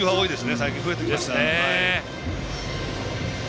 最近増えてきました。